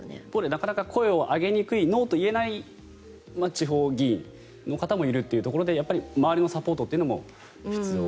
なかなか声を上げにくいノーと言えない地方議員の方もいるということでやっぱり周りのサポートも必要と。